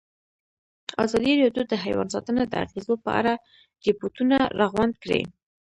ازادي راډیو د حیوان ساتنه د اغېزو په اړه ریپوټونه راغونډ کړي.